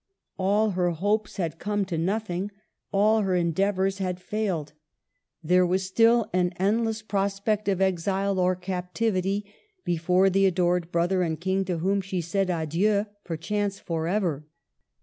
All her hopes had come to nothing, all her endeavors had failed. There was still an end less prospect of exile or captivity before the adored brother and king to whom she said *' Adieu !" perchance forever.